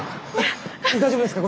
大丈夫ですか？